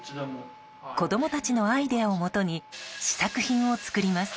子供たちのアイデアをもとに試作品を作ります。